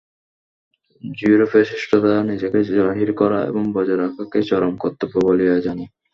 য়ুরোপের শ্রেষ্ঠতা নিজেকে জাহির করা এবং বজায় রাখাকেই চরম কর্তব্য বলিয়া জানে।